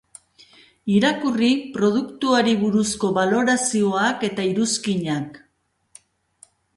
Irakurri produktuari buruzko balorazioak eta iruzkinak.